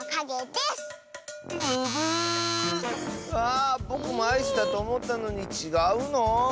あぼくもアイスだとおもったのにちがうの？